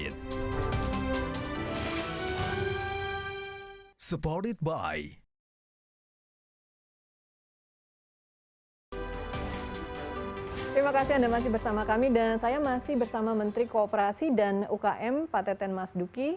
terima kasih anda masih bersama kami dan saya masih bersama menteri kooperasi dan ukm pak teten mas duki